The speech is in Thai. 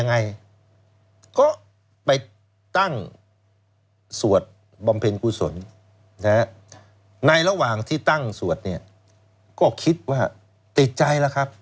ในระหว่างที่ตั้งสวดเนี่ยก็คิดว่าติดใจแล้วครับ